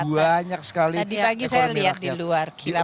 banyak sekali ekonomi rakyat